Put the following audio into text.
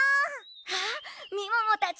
あっみももたちだ！